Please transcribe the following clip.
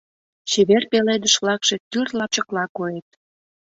Чевер пеледыш-влакше тӱр лапчыкла койыт.